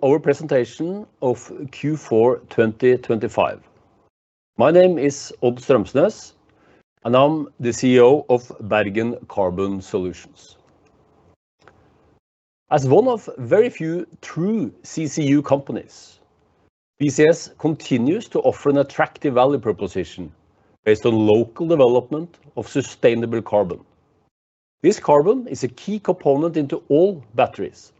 Our presentation of Q4 2025. My name is Odd Strømsnes, and I'm the CEO of Bergen Carbon Solutions. As one of very few true CCU companies, BCS continues to offer an attractive value proposition based on local development of sustainable carbon. This carbon is a key component into all batteries,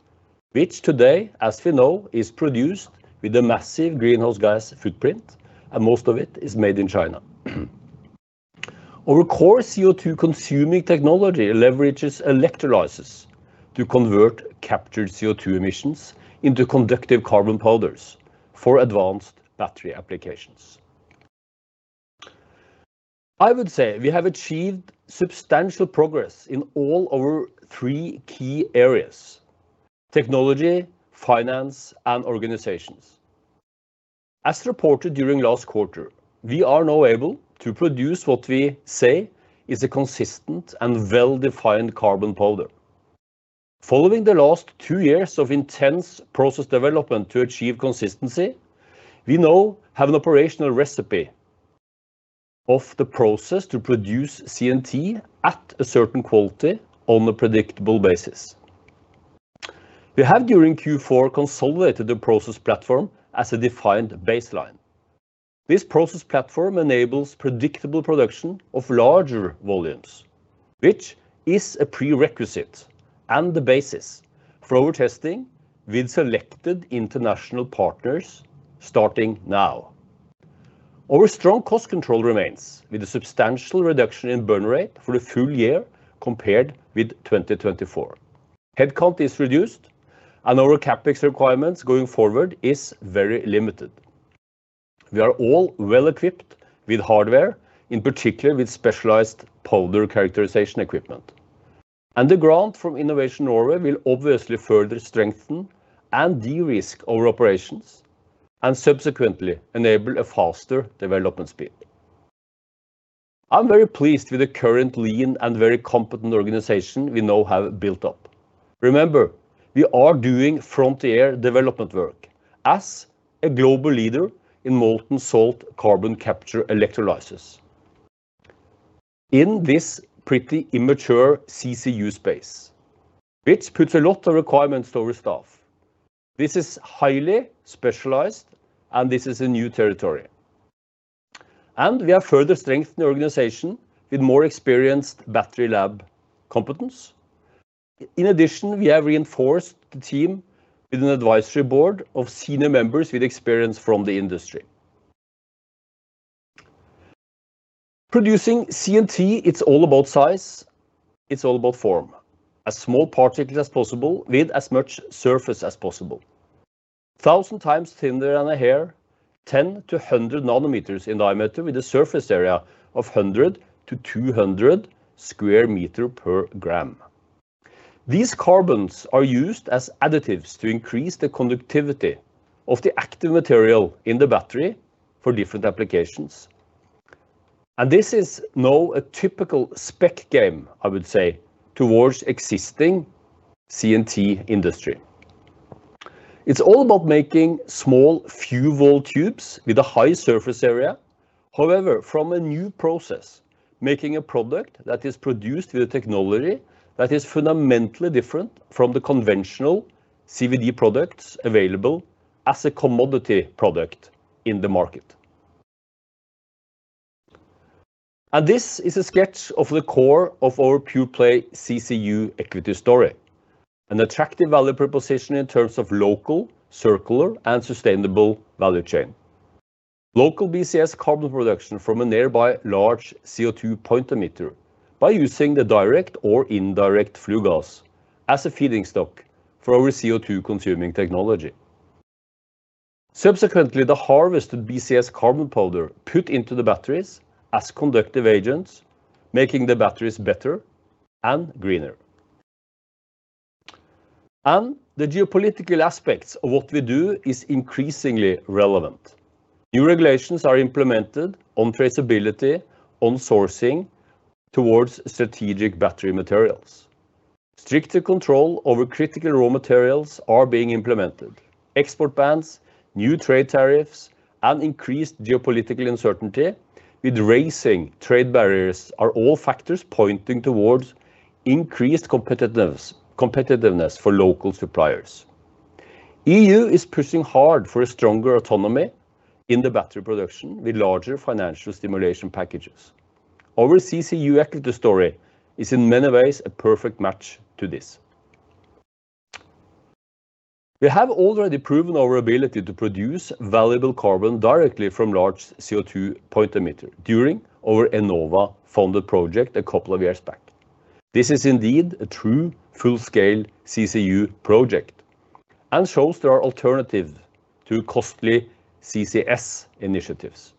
which today, as we know, is produced with a massive greenhouse gas footprint, and most of it is made in China. Our core CO2-consuming technology leverages electrolysis to convert captured CO2 emissions into conductive carbon powders for advanced battery applications. I would say we have achieved substantial progress in all our three key areas: technology, finance, and organizations. As reported during last quarter, we are now able to produce what we say is a consistent and well-defined carbon powder. Following the last two years of intense process development to achieve consistency, we now have an operational recipe of the process to produce CNT at a certain quality on a predictable basis. We have, during Q4, consolidated the process platform as a defined baseline. This process platform enables predictable production of larger volumes, which is a prerequisite and the basis for our testing with selected international partners starting now. Our strong cost control remains, with a substantial reduction in burn rate for the full year compared with 2024. Headcount is reduced, and our CapEx requirements going forward is very limited. We are all well-equipped with hardware, in particular with specialized powder characterization equipment, and the grant from Innovation Norway will obviously further strengthen and de-risk our operations and subsequently enable a faster development speed. I'm very pleased with the current lean and very competent organization we now have built up. Remember, we are doing frontier development work as a global leader in molten salt carbon capture electrolysis. In this pretty immature CCU space, which puts a lot of requirements to our staff, this is highly specialized, and this is a new territory. We have further strengthened the organization with more experienced battery lab competence. In addition, we have reinforced the team with an advisory board of senior members with experience from the industry. Producing CNT, it's all about size, it's all about form. As small particles as possible with as much surface as possible. 1,000 times thinner than a hair, 10-100 nanometers in diameter with a surface area of 100-200 square meters per gram. These carbons are used as additives to increase the conductivity of the active material in the battery for different applications, and this is now a typical spec game, I would say, towards existing CNT industry. It's all about making small, few-wall tubes with a high surface area. However, from a new process, making a product that is produced with a technology that is fundamentally different from the conventional CVD products available as a commodity product in the market. And this is a sketch of the core of our pure play CCU equity story, an attractive value proposition in terms of local, circular, and sustainable value chain. Local BCS carbon production from a nearby large CO2 point emitter by using the direct or indirect flue gas as a feedstock for our CO2-consuming technology. Subsequently, the harvested BCS carbon powder is put into the batteries as conductive agents, making the batteries better and greener. The geopolitical aspects of what we do is increasingly relevant. New regulations are implemented on traceability, on sourcing, towards strategic battery materials. Stricter control over critical raw materials is being implemented. Export bans, new trade tariffs, and increased geopolitical uncertainty with raising trade barriers are all factors pointing towards increased competitiveness for local suppliers. EU is pushing hard for a stronger autonomy in the battery production with larger financial stimulation packages. Our CCU equity story is, in many ways, a perfect match to this. We have already proven our ability to produce valuable carbon directly from large CO2 point emitter during our Enova-funded project a couple of years back. This is indeed a true full-scale CCU project and shows there are alternative to costly CCS initiatives.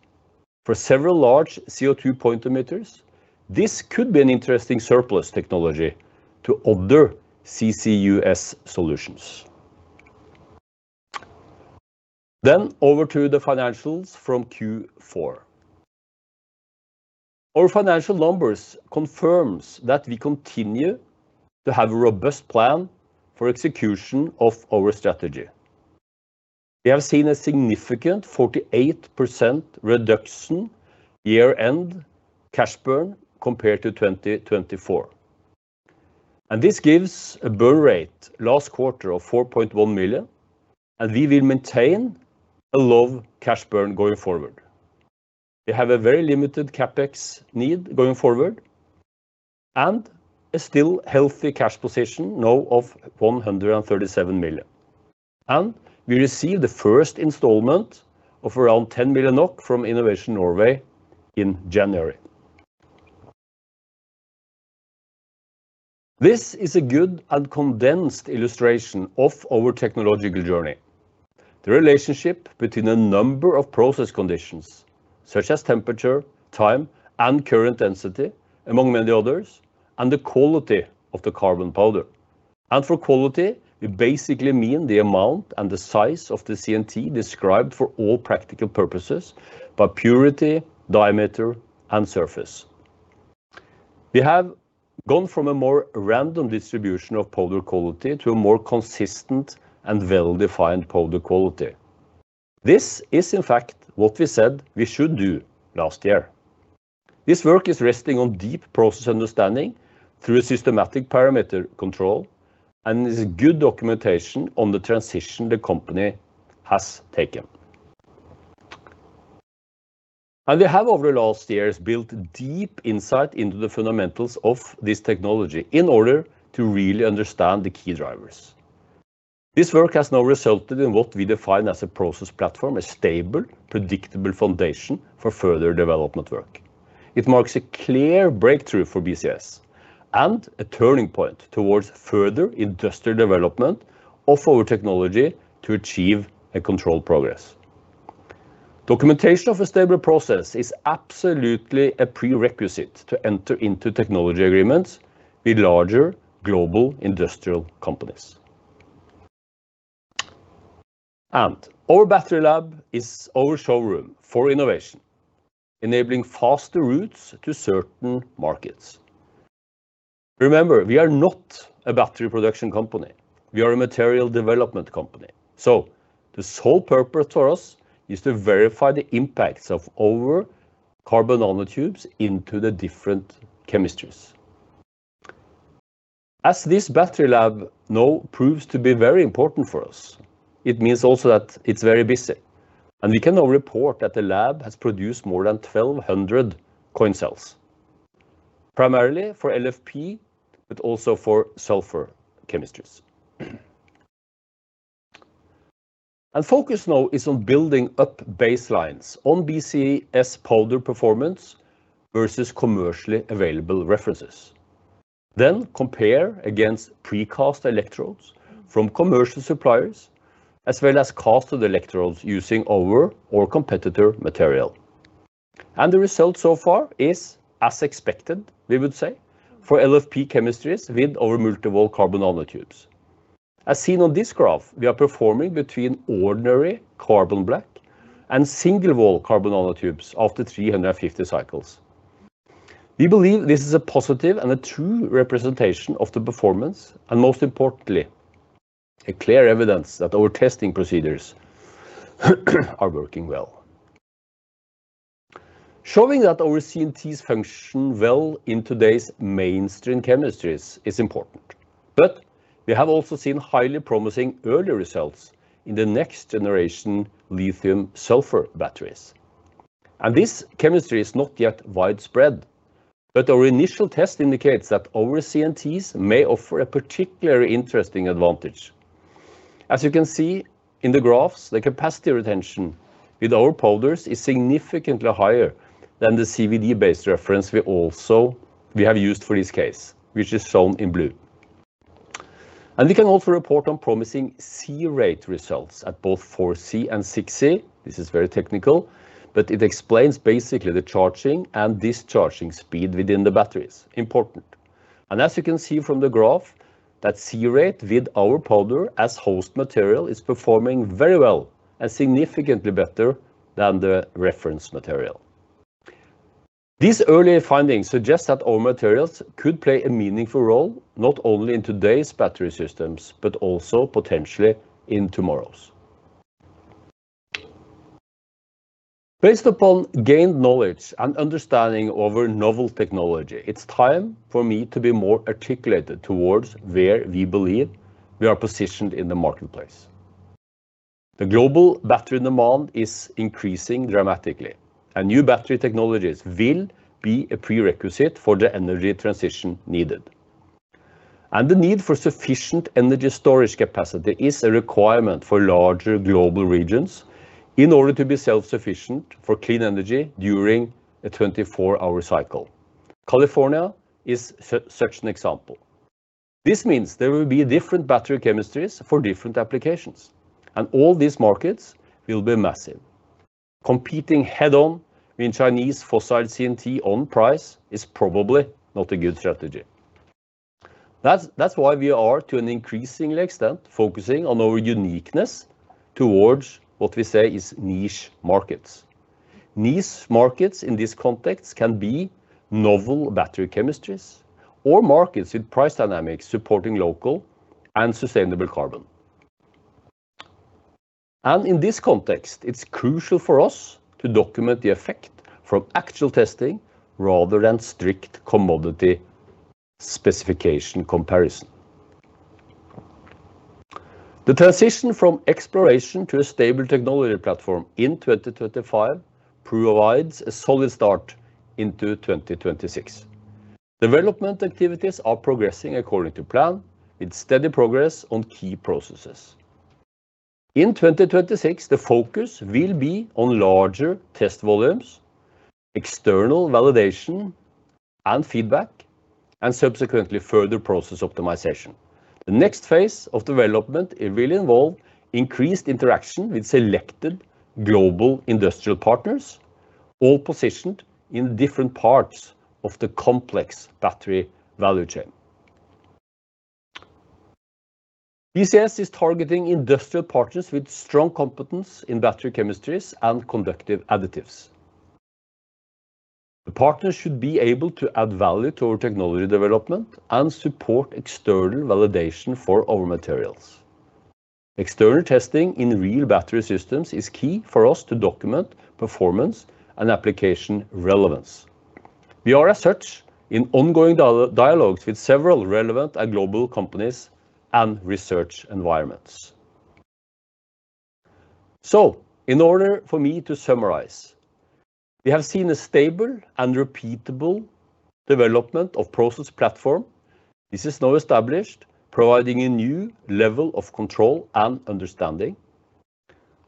For several large CO2 point emitters, this could be an interesting surplus technology to other CCUS solutions. Then over to the financials from Q4. Our financial numbers confirms that we continue to have a robust plan for execution of our strategy. We have seen a significant 48% reduction year-end cash burn compared to 2024, and this gives a burn rate last quarter of 4.1 million NOK, and we will maintain a low cash burn going forward. We have a very limited CapEx need going forward and a still healthy cash position now of 137 million NOK, and we received the first installment of around 10 million NOK from Innovation Norway in January. This is a good and condensed illustration of our technological journey. The relationship between a number of process conditions, such as temperature, time, and current density, among many others, and the quality of the carbon powder. For quality, we basically mean the amount and the size of the CNT described, for all practical purposes, by purity, diameter, and surface. We have gone from a more random distribution of powder quality to a more consistent and well-defined powder quality. This is, in fact, what we said we should do last year. This work is resting on deep process understanding through a systematic parameter control and is a good documentation on the transition the company has taken. We have, over the last years, built deep insight into the fundamentals of this technology in order to really understand the key drivers. This work has now resulted in what we define as a process platform, a stable, predictable foundation for further development work. It marks a clear breakthrough for BCS and a turning point towards further industrial development of our technology to achieve a controlled progress. Documentation of a stable process is absolutely a prerequisite to enter into technology agreements with larger global industrial companies. Our battery lab is our showroom for innovation, enabling faster routes to certain markets. Remember, we are not a battery production company. We are a material development company, so the sole purpose for us is to verify the impacts of our carbon nanotubes into the different chemistries. As this battery lab now proves to be very important for us, it means also that it's very busy, and we can now report that the lab has produced more than 1,200 coin cells, primarily for LFP, but also for sulfur chemistries. Focus now is on building up baselines on BCS powder performance versus commercially available references, then compare against pre-cast electrodes from commercial suppliers, as well as cast the electrodes using our or competitor material. The result so far is, as expected, we would say, for LFP chemistries with our multi-wall carbon nanotubes. As seen on this graph, we are performing between ordinary carbon black and single-wall carbon nanotubes after 350 cycles. We believe this is a positive and a true representation of the performance, and most importantly, a clear evidence that our testing procedures are working well. Showing that our CNTs function well in today's mainstream chemistries is important, but we have also seen highly promising early results in the next-generation lithium sulfur batteries. This chemistry is not yet widespread, but our initial test indicates that our CNTs may offer a particularly interesting advantage. As you can see in the graphs, the capacity retention with our powders is significantly higher than the CVD-based reference we have used for this case, which is shown in blue. We can also report on promising C-rate results at both 4C and 6C. This is very technical, but it explains basically the charging and discharging speed within the batteries. Important. As you can see from the graph, that C-rate with our powder as host material is performing very well and significantly better than the reference material. These early findings suggest that our materials could play a meaningful role, not only in today's battery systems, but also potentially in tomorrow's. Based upon gained knowledge and understanding of our novel technology, it's time for me to be more articulated towards where we believe we are positioned in the marketplace. The global battery demand is increasing dramatically, and new battery technologies will be a prerequisite for the energy transition needed. And the need for sufficient energy storage capacity is a requirement for larger global regions in order to be self-sufficient for clean energy during a 24-hour cycle. California is such an example. This means there will be different battery chemistries for different applications, and all these markets will be massive. Competing head-on with Chinese fossil CNT on price is probably not a good strategy. That's why we are, to an increasing extent, focusing on our uniqueness towards what we say is niche markets. Niche markets in this context can be novel battery chemistries or markets with price dynamics supporting local and sustainable carbon. And in this context, it's crucial for us to document the effect from actual testing rather than strict commodity specification comparison. The transition from exploration to a stable technology platform in 2025 provides a solid start into 2026. Development activities are progressing according to plan, with steady progress on key processes. In 2026, the focus will be on larger test volumes, external validation, and feedback, and subsequently further process optimization. The next phase of development, it will involve increased interaction with selected global industrial partners, all positioned in different parts of the complex battery value chain. BCS is targeting industrial partners with strong competence in battery chemistries and conductive additives. The partners should be able to add value to our technology development and support external validation for our materials. External testing in real battery systems is key for us to document performance and application relevance. We are as such in ongoing dialogues with several relevant and global companies and research environments. In order for me to summarize, we have seen a stable and repeatable development of process platform. This is now established, providing a new level of control and understanding.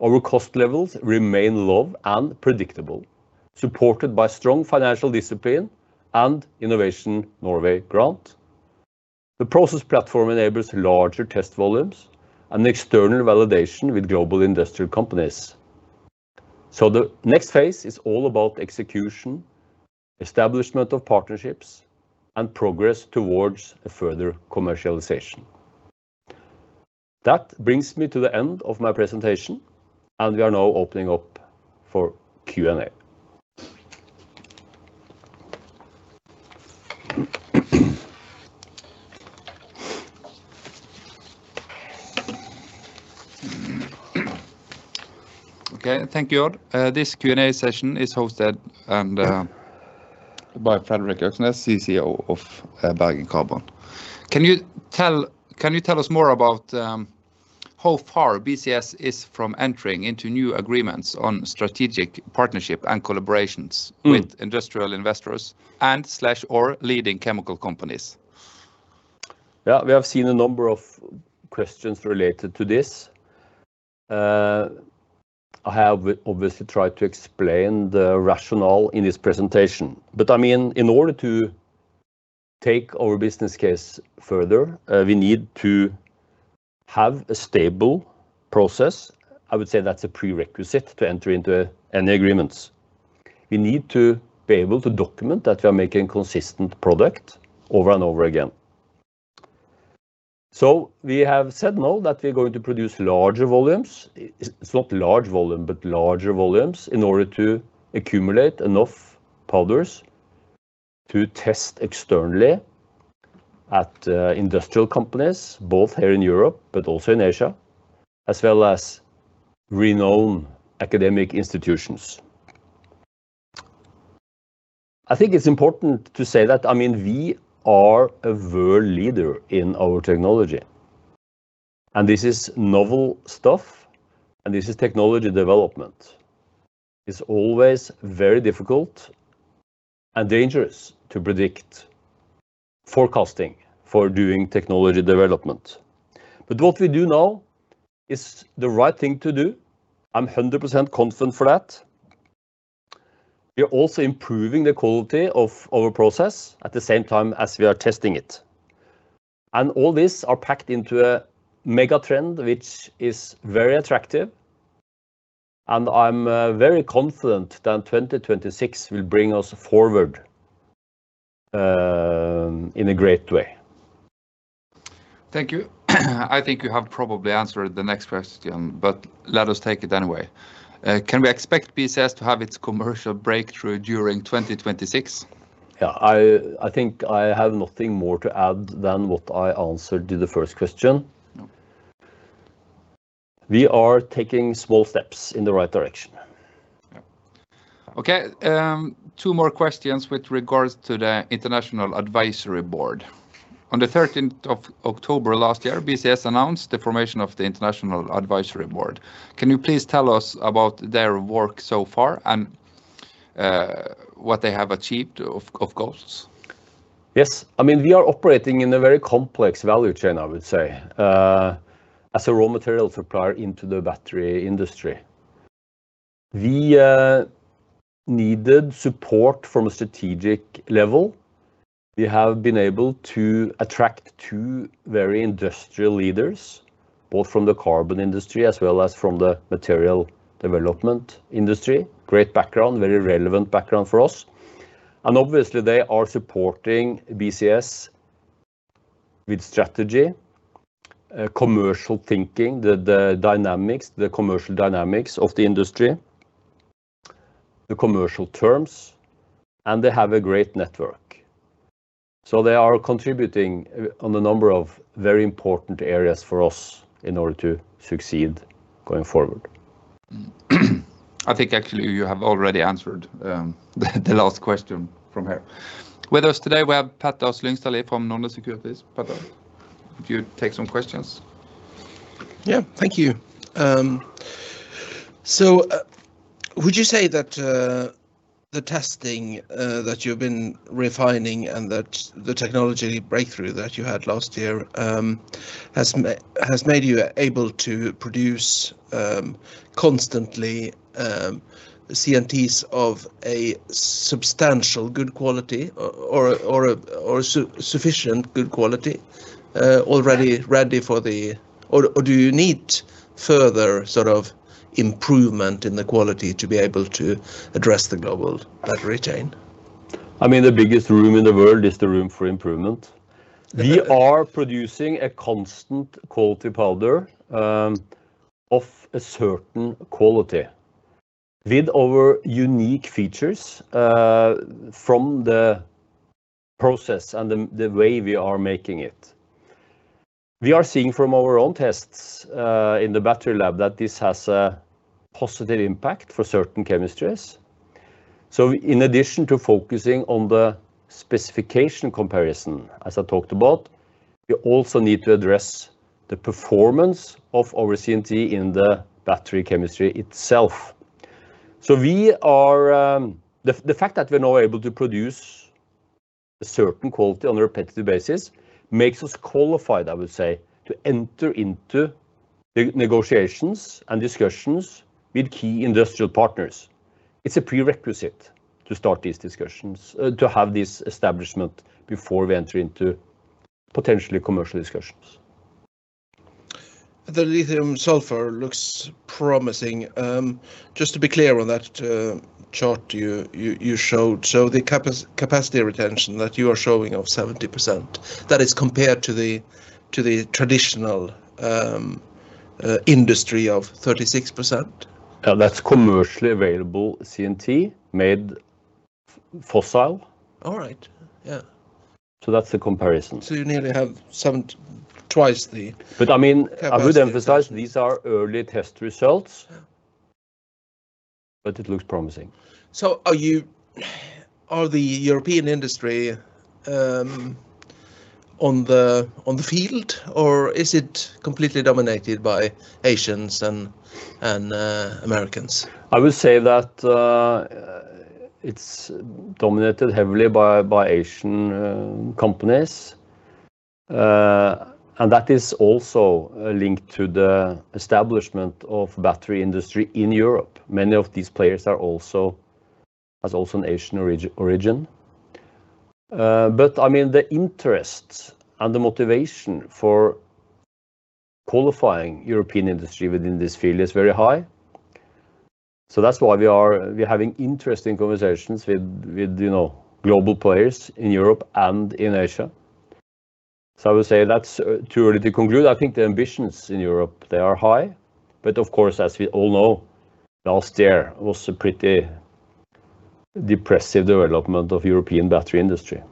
Our cost levels remain low and predictable, supported by strong financial discipline and Innovation Norway grant. The process platform enables larger test volumes and external validation with global industrial companies. The next phase is all about execution, establishment of partnerships, and progress towards a further commercialization. That brings me to the end of my presentation, and we are now opening up for Q&A. Okay, thank you. This Q&A session is hosted, and, by Fredrik Øksnes, CCO of Bergen Carbon. Can you tell, can you tell us more about, how far BCS is from entering into new agreements on strategic partnership and collaborations? Mm. with industrial investors and slash, or leading chemical companies? Yeah, we have seen a number of questions related to this. I have obviously tried to explain the rationale in this presentation, but, I mean, in order to take our business case further, we need to have a stable process. I would say that's a prerequisite to enter into any agreements. We need to be able to document that we are making consistent product over and over again. So we have said now that we're going to produce larger volumes. It's not large volume, but larger volumes, in order to accumulate enough powders to test externally at, industrial companies, both here in Europe but also in Asia, as well as renowned academic institutions. I think it's important to say that, I mean, we are a world leader in our technology, and this is novel stuff, and this is technology development. It's always very difficult and dangerous to predict forecasting for doing technology development. But what we do know is the right thing to do. I'm 100% confident for that. We are also improving the quality of our process at the same time as we are testing it. And all this are packed into a mega trend, which is very attractive, and I'm very confident that 2026 will bring us forward in a great way. Thank you. I think you have probably answered the next question, but let us take it anyway. Can we expect BCS to have its commercial breakthrough during 2026? Yeah, I think I have nothing more to add than what I answered to the first question. No. We are taking small steps in the right direction. Yeah. Okay, two more questions with regards to the International Advisory Board. On the thirteenth of October last year, BCS announced the formation of the International Advisory Board. Can you please tell us about their work so far and what they have achieved, of course? Yes. I mean, we are operating in a very complex value chain, I would say, as a raw material supplier into the battery industry. We needed support from a strategic level. We have been able to attract two very industrial leaders both from the carbon industry as well as from the material development industry. Great background, very relevant background for us, and obviously, they are supporting BCS with strategy, commercial thinking, the dynamics, the commercial dynamics of the industry, the commercial terms, and they have a great network. So they are contributing on a number of very important areas for us in order to succeed going forward. I think actually you have already answered, the last question from here. With us today, we have Pål Åslandstveit from Norne Securities. Pål, if you take some questions. Yeah, thank you. So, would you say that the testing that you've been refining and that the technology breakthrough that you had last year has made you able to produce constantly CNTs of a substantial good quality or sufficient good quality already ready for the... Or do you need further sort of improvement in the quality to be able to address the global battery chain? I mean, the biggest room in the world is the room for improvement. We are producing a constant quality powder of a certain quality with our unique features from the process and the way we are making it. We are seeing from our own tests in the battery lab that this has a positive impact for certain chemistries. So in addition to focusing on the specification comparison, as I talked about, we also need to address the performance of our CNT in the battery chemistry itself. The fact that we're now able to produce a certain quality on a repetitive basis makes us qualified, I would say, to enter into negotiations and discussions with key industrial partners. It's a prerequisite to start these discussions, to have this establishment before we enter into potentially commercial discussions. The Lithium Sulfur looks promising. Just to be clear on that chart you showed, so the capacity retention that you are showing of 70%, that is compared to the traditional industry of 36%? That's commercially available CNT made fossil. All right. Yeah. That's the comparison. So you nearly have 7... twice the- But, I mean- Capacity... I would emphasize, these are early test results. Yeah. It looks promising. So, are you, are the European industry on the field, or is it completely dominated by Asians and Americans? I would say that it's dominated heavily by Asian companies. And that is also linked to the establishment of battery industry in Europe. Many of these players are also has also an Asian origin. But I mean, the interest and the motivation for qualifying European industry within this field is very high. So that's why we're having interesting conversations with you know, global players in Europe and in Asia. So I would say that's too early to conclude. I think the ambitions in Europe, they are high, but of course, as we all know, last year was a pretty depressive development of European battery industry.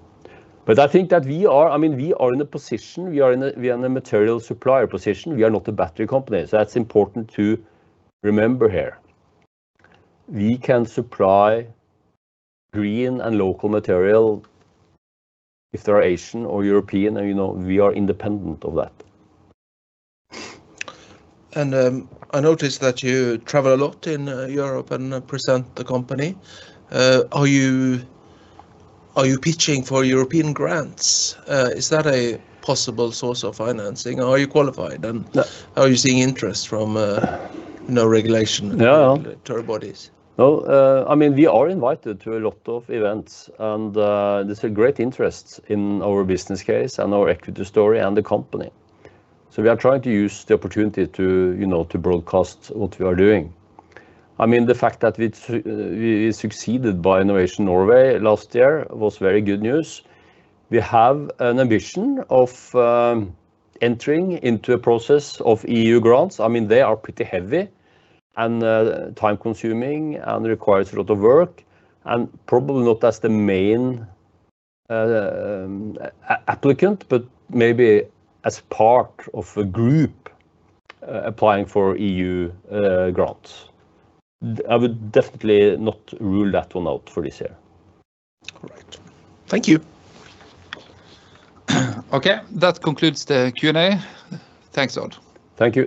But I think that we are, I mean, we are in a material supplier position. We are not a battery company, so that's important to remember here. We can supply green and local material if they are Asian or European, and, you know, we are independent of that. I noticed that you travel a lot in Europe and present the company. Are you, are you pitching for European grants? Is that a possible source of financing, or are you qualified, and- No... are you seeing interest from, you know, regulation- Yeah -type bodies? No, I mean, we are invited to a lot of events, and there's a great interest in our business case and our equity story and the company. So we are trying to use the opportunity to, you know, to broadcast what we are doing. I mean, the fact that we succeeded by Innovation Norway last year was very good news. We have an ambition of entering into a process of EU grants. I mean, they are pretty heavy and time-consuming and requires a lot of work, and probably not as the main applicant, but maybe as part of a group applying for EU grants. I would definitely not rule that one out for this year. All right. Thank you. Okay, that concludes the Q&A. Thanks a lot. Thank you.